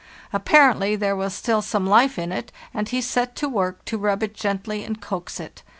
Apparently there was still some hfe in it, and he set to work to rub it gently and coax it.